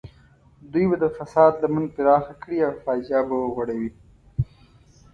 دوی به د فساد لمن پراخه کړي او فاجعه به وغوړوي.